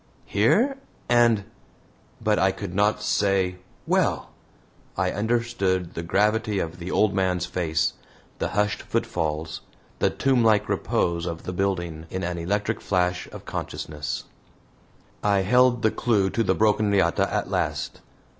"Here! and" but I could not say "well!" I understood the gravity of the old man's face, the hushed footfalls, the tomblike repose of the building, in an electric flash of consciousness; I held the clue to the broken riata at last.